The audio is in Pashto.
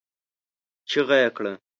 چيغه يې کړه!